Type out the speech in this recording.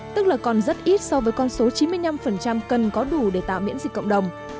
tức là còn rất ít so với con số chín mươi năm cần có đủ để tạo miễn dịch cộng đồng